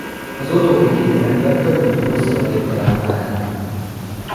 Az utóbbi két rendőrt több mint húsz lövedék találta el.